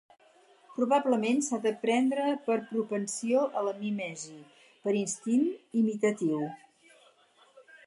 Probablement s'ha de pendre per propensió a la mímesi, per instint imitatiu